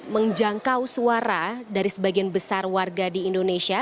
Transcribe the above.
menjangkau suara dari sebagian besar warga di indonesia